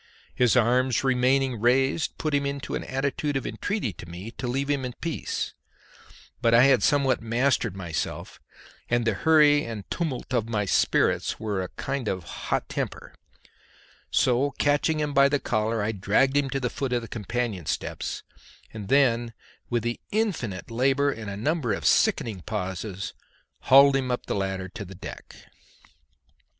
His arms remaining raised put him into an attitude of entreaty to me to leave him in peace; but I had somewhat mastered myself, and the hurry and tumult of my spirits were a kind of hot temper; so catching him by the collar, I dragged him to the foot of the companion steps, and then with infinite labour and a number of sickening pauses hauled him up the ladder to the deck.